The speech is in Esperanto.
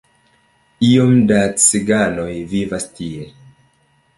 Iom da ciganoj vivas tie.